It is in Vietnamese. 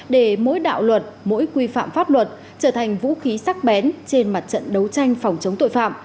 để mỗi đạo luật mỗi quy phạm pháp luật trở thành vũ khí sắc bén trên mặt trận đấu tranh phòng chống tội phạm